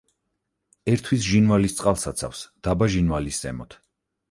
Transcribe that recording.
ერთვის ჟინვალის წყალსაცავს დაბა ჟინვალის ზემოთ.